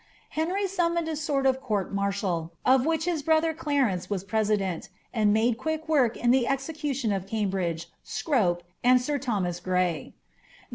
^^ Henry sum sort of court martial, of which his brother Clarence was pre nd made quick work in the execution of Cambridge, Scrope, Thomas Grey.